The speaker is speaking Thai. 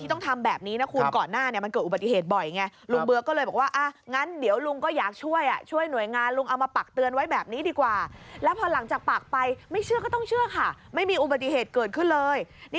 แต่ก็เห็นเด่นชัดดีเนอะคุณ